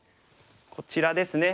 こちらですね。